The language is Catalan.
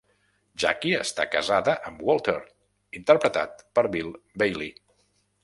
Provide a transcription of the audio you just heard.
Jackie està casada amb Walter, interpretat per Bill Bailey.